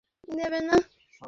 ভয় পেও না, হ্যাঁ।